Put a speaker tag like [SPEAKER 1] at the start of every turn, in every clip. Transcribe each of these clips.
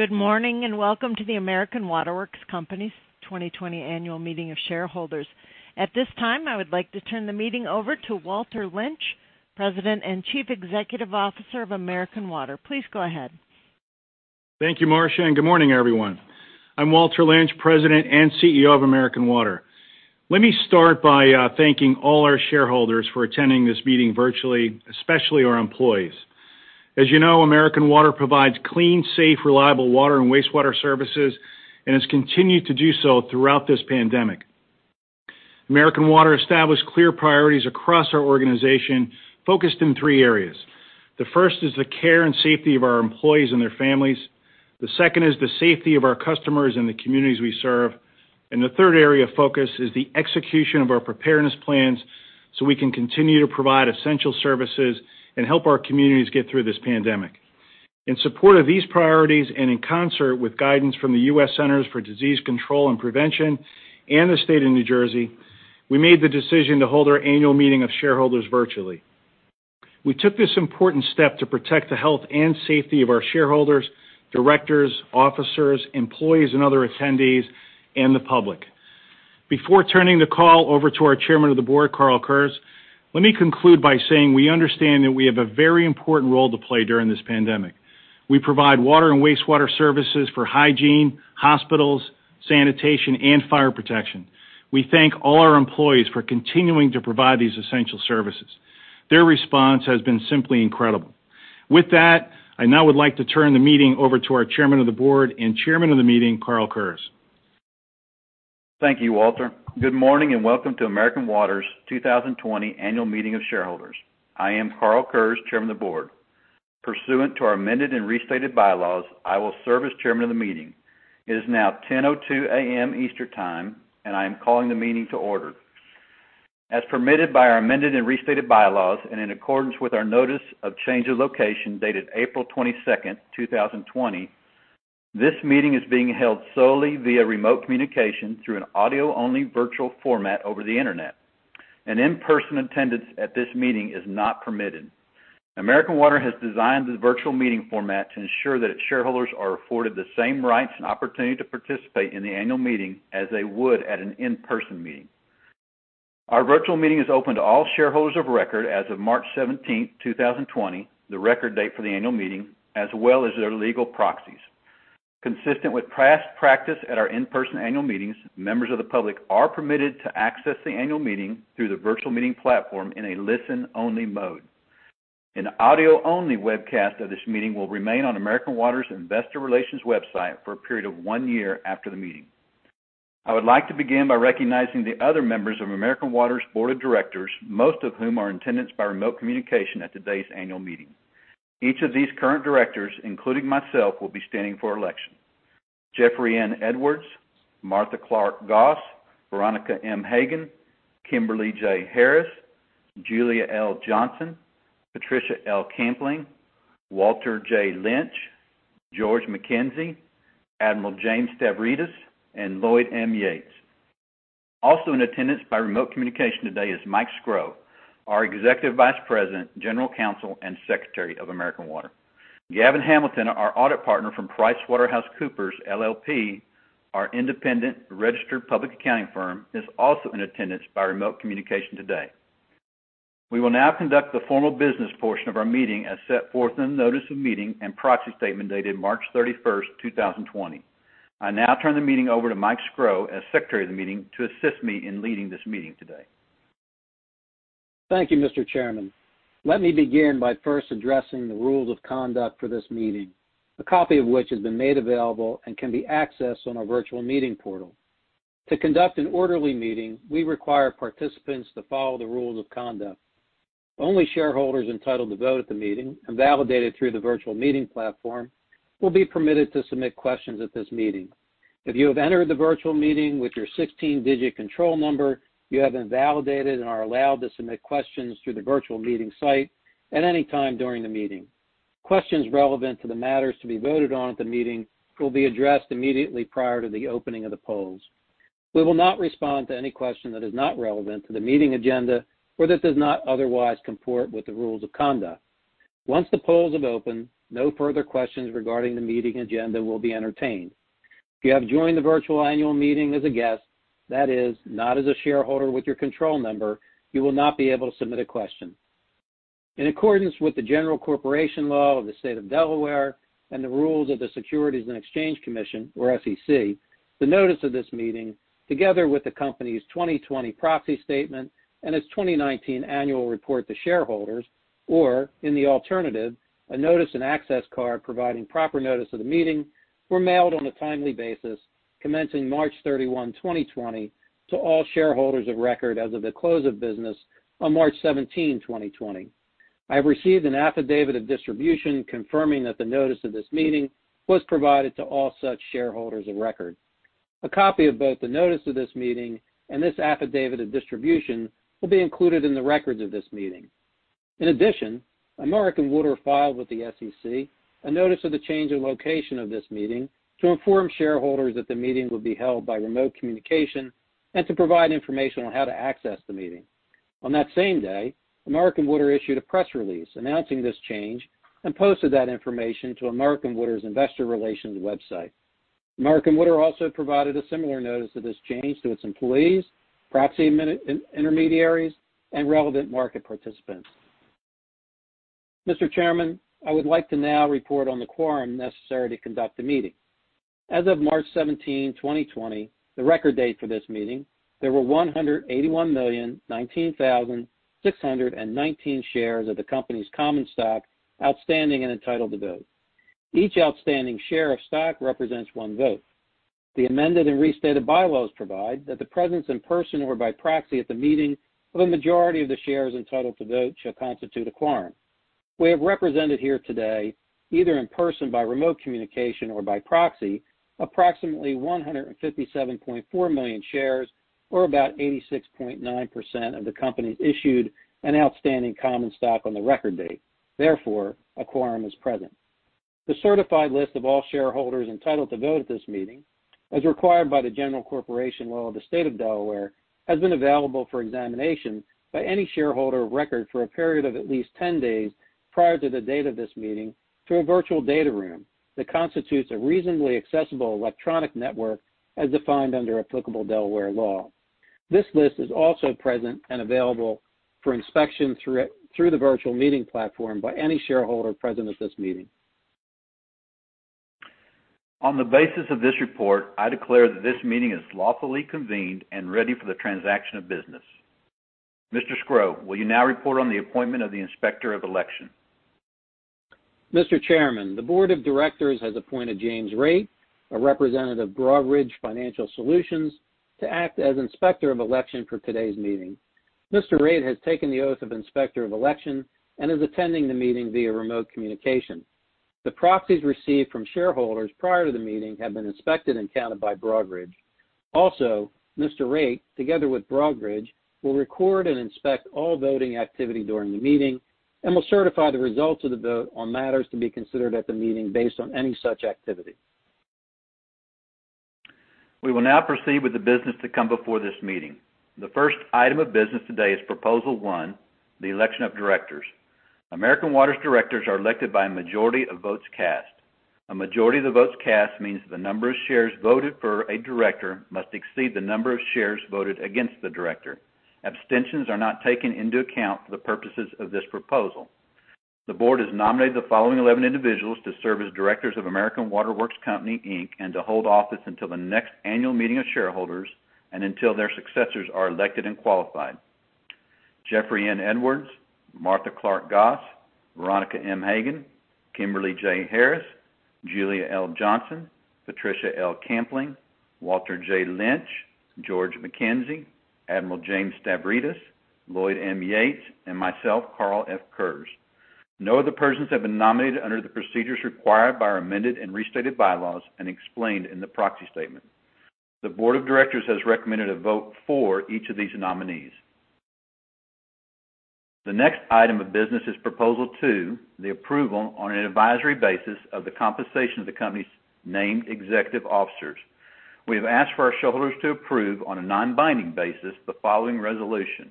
[SPEAKER 1] Good morning and welcome to the American Water Works Company's 2020 Annual Meeting of Shareholders. At this time, I would like to turn the meeting over to Walter Lynch, President and Chief Executive Officer of American Water. Please go ahead.
[SPEAKER 2] Thank you, Marcia. And good morning, everyone. I'm Walter Lynch, President and CEO of American Water. Let me start by thanking all our shareholders for attending this meeting virtually, especially our employees. As you know, American Water provides clean, safe, reliable water and wastewater services and has continued to do so throughout this pandemic. American Water established clear priorities across our organization, focused in three areas. The first is the care and safety of our employees and their families. The second is the safety of our customers and the communities we serve. The third area of focus is the execution of our preparedness plans so we can continue to provide essential services and help our communities get through this pandemic. In support of these priorities and in concert with guidance from the U.S. Centers for Disease Control and Prevention and the State of New Jersey, we made the decision to hold our annual meeting of shareholders virtually. We took this important step to protect the health and safety of our shareholders, directors, officers, employees, and other attendees, and the public. Before turning the call over to our Chairman of the Board, Karl Kurz, let me conclude by saying we understand that we have a very important role to play during this pandemic. We provide water and wastewater services for hygiene, hospitals, sanitation, and fire protection. We thank all our employees for continuing to provide these essential services. Their response has been simply incredible. With that, I now would like to turn the meeting over to our Chairman of the Board and Chairman of the Meeting, Karl Kurz.
[SPEAKER 3] Thank you, Walter. Good morning and welcome to American Water's 2020 Annual Meeting of Shareholders. I am Karl Kurz, Chairman of the Board. Pursuant to our amended and restated bylaws, I will serve as Chairman of the Meeting. It is now 10:02 A.M. Eastern Time, and I am calling the meeting to order. As permitted by our amended and restated bylaws and in accordance with our Notice of Change of Location dated April 22, 2020, this meeting is being held solely via remote communication through an audio-only virtual format over the internet. In-person attendance at this meeting is not permitted. American Water has designed the virtual meeting format to ensure that its shareholders are afforded the same rights and opportunity to participate in the annual meeting as they would at an in-person meeting. Our virtual meeting is open to all shareholders of record as of March 17, 2020, the record date for the annual meeting, as well as their legal proxies. Consistent with past practice at our in-person annual meetings, members of the public are permitted to access the annual meeting through the virtual meeting platform in a listen-only mode. An audio-only webcast of this meeting will remain on American Water's Investor Relations website for a period of one year after the meeting. I would like to begin by recognizing the other members of American Water's Board of Directors, most of whom are in attendance by remote communication at today's annual meeting. Each of these current directors, including myself, will be standing for election: Jeffrey N. Edwards, Martha Clark Goss, Veronica M. Hagen, Kimberly J. Harris, Julia L. Johnson, Patricia L. Kampling, Walter J. Lynch, George MacKenzie, Admiral James Stavridis, and Lloyd M. Yates. Also in attendance by remote communication today is Mike Sgro, our Executive Vice President, General Counsel, and Secretary of American Water. Gavin Hamilton, our audit partner from PricewaterhouseCoopers LLP, our independent registered public accounting firm, is also in attendance by remote communication today. We will now conduct the formal business portion of our meeting as set forth in the Notice of Meeting and Proxy Statement dated March 31, 2020. I now turn the meeting over to Mike Sgro as Secretary of the Meeting to assist me in leading this meeting today.
[SPEAKER 4] Thank you, Mr. Chairman. Let me begin by first addressing the rules of conduct for this meeting, a copy of which has been made available and can be accessed on our virtual meeting portal. To conduct an orderly meeting, we require participants to follow the rules of conduct. Only shareholders entitled to vote at the meeting and validated through the virtual meeting platform will be permitted to submit questions at this meeting. If you have entered the virtual meeting with your 16-digit control number, you have been validated and are allowed to submit questions through the virtual meeting site at any time during the meeting. Questions relevant to the matters to be voted on at the meeting will be addressed immediately prior to the opening of the polls. We will not respond to any question that is not relevant to the meeting agenda or that does not otherwise comport with the rules of conduct. Once the polls have opened, no further questions regarding the meeting agenda will be entertained. If you have joined the virtual annual meeting as a guest, that is, not as a shareholder with your control number, you will not be able to submit a question. In accordance with the General Corporation Law of the State of Delaware and the rules of the Securities and Exchange Commission, or SEC, the Notice of this meeting, together with the company's 2020 Proxy Statement and its 2019 Annual Report to shareholders, or in the alternative, a Notice and Access Card providing proper notice of the meeting, were mailed on a timely basis, commencing March 31, 2020, to all shareholders of record as of the close of business on March 17, 2020. I have received an affidavit of distribution confirming that the Notice of this Meeting was provided to all such shareholders of record. A copy of both the Notice of this meeting and this affidavit of distribution will be included in the records of this meeting. In addition, American Water filed with the SEC a Notice of the Change of Location of this meeting to inform shareholders that the meeting would be held by remote communication and to provide information on how to access the meeting. On that same day, American Water issued a press release announcing this change and posted that information to American Water's Investor Relations website. American Water also provided a similar Notice of this change to its employees, proxy intermediaries, and relevant market participants. Mr. Chairman, I would like to now report on the quorum necessary to conduct the meeting. As of March 17, 2020, the record date for this meeting, there were 181,019,619 shares of the company's common stock outstanding and entitled to vote. Each outstanding share of stock represents one vote. The Amended and Restated Bylaws provide that the presence in person or by proxy at the meeting of a majority of the shares entitled to vote shall constitute a quorum. We have represented here today, either in person by remote communication or by proxy, approximately 157.4 million shares, or about 86.9% of the company's issued and outstanding common stock on the Record Date. Therefore, a quorum is present. The certified list of all shareholders entitled to vote at this meeting, as required by the General Corporation Law of the State of Delaware, has been available for examination by any shareholder of record for a period of at least 10 days prior to the date of this meeting through a virtual data room that constitutes a reasonably accessible electronic network as defined under applicable Delaware law. This list is also present and available for inspection through the virtual meeting platform by any shareholder present at this meeting.
[SPEAKER 3] On the basis of this report, I declare that this meeting is lawfully convened and ready for the transaction of business. Mr. Sgro, will you now report on the appointment of the Inspector of Election?
[SPEAKER 4] Mr. Chairman, the Board of Directors has appointed James Raitt, a representative of Broadridge Financial Solutions, to act as Inspector of Election for today's meeting. Mr. Raitt has taken the oath of Inspector of Election and is attending the meeting via remote communication. The proxies received from shareholders prior to the meeting have been inspected and counted by Broadridge. Also, Mr. Raitt, together with Broadridge, will record and inspect all voting activity during the meeting and will certify the results of the vote on matters to be considered at the meeting based on any such activity.
[SPEAKER 3] We will now proceed with the business to come before this meeting. The first item of business today is Proposal One, the Election of Directors. American Water's directors are elected by a majority of votes cast. A majority of the votes cast means the number of shares voted for a director must exceed the number of shares voted against the director. Abstentions are not taken into account for the purposes of this proposal. The Board has nominated the following 11 individuals to serve as directors of American Water Works Company and to hold office until the next annual meeting of shareholders and until their successors are elected and qualified: Jeffrey N. Edwards, Martha Clark Goss, Veronica M. Hagen, Kimberly J. Harris, Julia L. Johnson, Patricia L. Kampling, Walter J. Lynch, George MacKenzie, Admiral James Stavridis, Lloyd M. Yates, and myself, Karl F. Kurz. No other persons have been nominated under the procedures required by our Amended and Restated Bylaws and explained in the Proxy Statement. The Board of Directors has recommended a vote for each of these nominees. The next item of business is Proposal Two, the approval on an advisory basis of the compensation of the company's named executive officers. We have asked for our shareholders to approve on a non-binding basis the following resolution: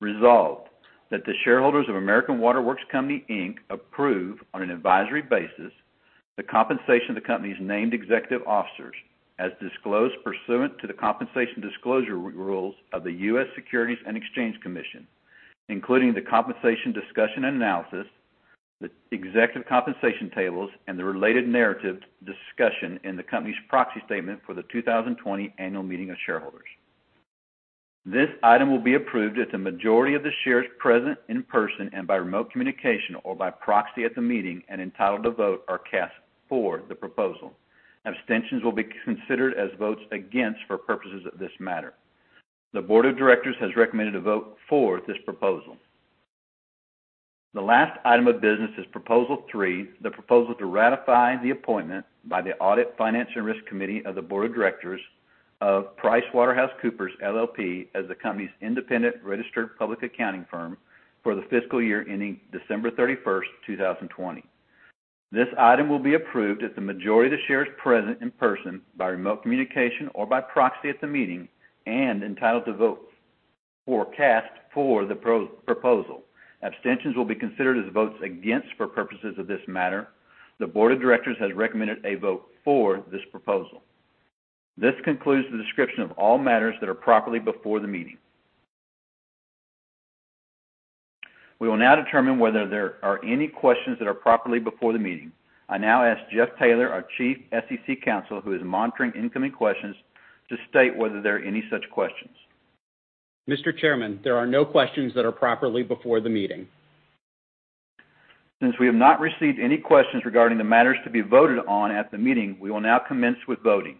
[SPEAKER 3] Resolved that the shareholders of American Water Works Company approve on an advisory basis the compensation of the company's named executive officers, as disclosed pursuant to the compensation disclosure rules of the U.S. Securities and Exchange Commission, including the compensation discussion and analysis, the executive compensation tables, and the related narrative discussion in the company's Proxy Statement for the 2020 Annual Meeting of Shareholders. This item will be approved if the majority of the shares present in person and by remote communication or by proxy at the meeting and entitled to vote are cast for the proposal. Abstentions will be considered as votes against for purposes of this matter. The Board of Directors has recommended a vote for this proposal. The last item of business is Proposal Three, the proposal to ratify the appointment by the Audit, Finance and Risk Committee of the Board of Directors of PricewaterhouseCoopers LLP as the company's independent registered public accounting firm for the fiscal year ending December 31, 2020. This item will be approved if the majority of the shares present in person by remote communication or by proxy at the meeting and entitled to vote were cast for the proposal. Abstentions will be considered as votes against for purposes of this matter. The Board of Directors has recommended a vote for this proposal. This concludes the description of all matters that are properly before the meeting. We will now determine whether there are any questions that are properly before the meeting. I now ask Jeff Taylor, our Chief SEC Counsel, who is monitoring incoming questions, to state whether there are any such questions.
[SPEAKER 5] Mr. Chairman, there are no questions that are properly before the meeting.
[SPEAKER 3] Since we have not received any questions regarding the matters to be voted on at the meeting, we will now commence with voting.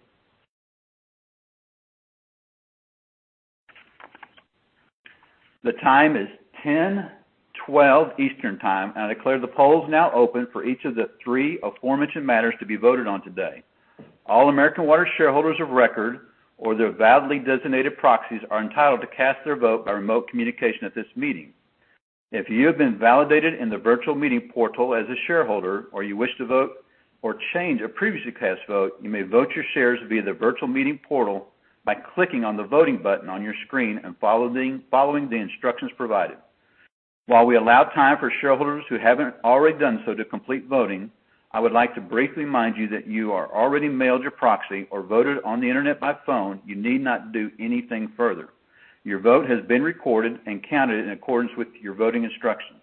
[SPEAKER 3] The time is 10:12 A.M. EDT, and I declare the polls now open for each of the three aforementioned matters to be voted on today. All American Water shareholders of record or their validly designated proxies are entitled to cast their vote by remote communication at this meeting. If you have been validated in the virtual meeting portal as a shareholder or you wish to vote or change a previously cast vote, you may vote your shares via the virtual meeting portal by clicking on the voting button on your screen and following the instructions provided. While we allow time for shareholders who have not already done so to complete voting, I would like to briefly remind you that if you already mailed your proxy or voted on the internet or by phone, you need not do anything further. Your vote has been recorded and counted in accordance with your voting instructions.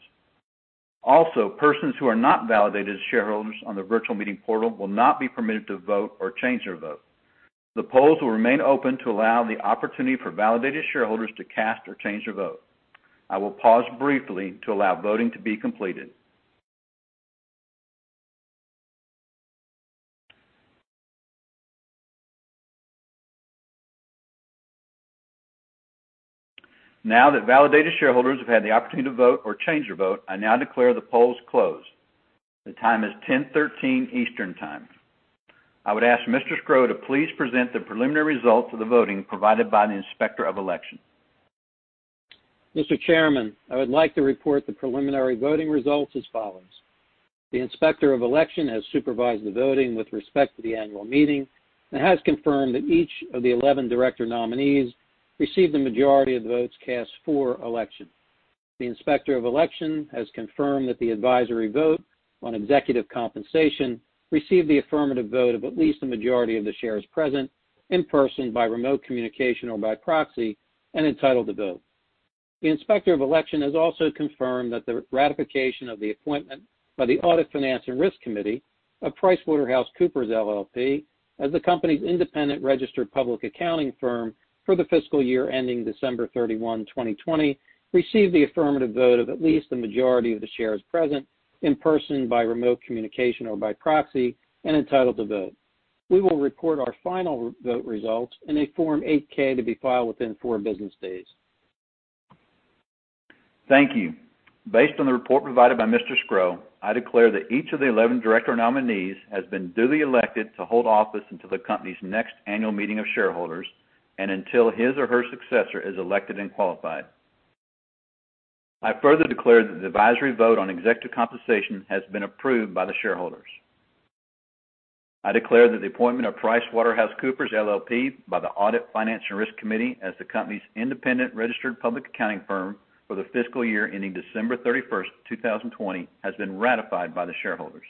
[SPEAKER 3] Also, persons who are not validated as shareholders on the virtual meeting portal will not be permitted to vote or change their vote. The polls will remain open to allow the opportunity for validated shareholders to cast or change their vote. I will pause briefly to allow voting to be completed. Now that validated shareholders have had the opportunity to vote or change their vote, I now declare the polls closed. The time is 10:13 A.M. EDT. I would ask Mr. Sgro to please present the preliminary results of the voting provided by the Inspector of Election.
[SPEAKER 4] Mr. Chairman, I would like to report the preliminary voting results as follows: The Inspector of Election has supervised the voting with respect to the Annual Meeting of Shareholders and has confirmed that each of the 11 director nominees received the majority of the votes cast for election. The Inspector of Election has confirmed that the advisory vote on executive compensation received the affirmative vote of at least the majority of the shares present in person by remote communication or by proxy and entitled to vote. The Inspector of Election has also confirmed that the ratification of the appointment by the Audit, Finance and Risk Committee of PricewaterhouseCoopers LLP as the company's independent registered public accounting firm for the fiscal year ending December 31, 2020, received the affirmative vote of at least the majority of the shares present in person by remote communication or by proxy and entitled to vote. We will report our final vote results in a Form 8-K to be filed within four business days.
[SPEAKER 3] Thank you. Based on the report provided by Mr. Sgro, I declare that each of the 11 director nominees has been duly elected to hold office until the company's next annual meeting of shareholders and until his or her successor is elected and qualified. I further declare that the advisory vote on executive compensation has been approved by the shareholders. I declare that the appointment of PricewaterhouseCoopers LLP, by the Audit, Finance and Risk Committee as the company's independent registered public accounting firm for the fiscal year ending December 31, 2020, has been ratified by the shareholders.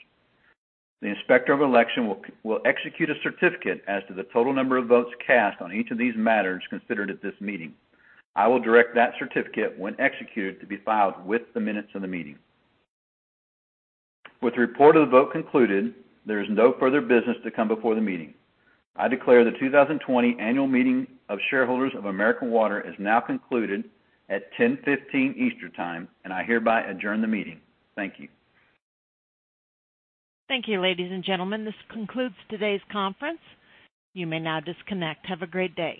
[SPEAKER 3] The Inspector of Election will execute a certificate as to the total number of votes cast on each of these matters considered at this meeting. I will direct that certificate, when executed, to be filed with the minutes of the meeting. With the report of the vote concluded, there is no further business to come before the meeting. I declare the 2020 Annual Meeting of Shareholders of American Water is now concluded at 10:15 A.M. Eastern Time, and I hereby adjourn the meeting. Thank you.
[SPEAKER 1] Thank you, ladies and gentlemen. This concludes today's conference. You may now disconnect. Have a great day.